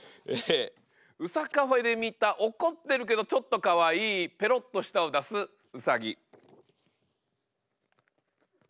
ウサカフェで見た怒ってるけどちょっとかわいいペロッと舌を出すウサギ。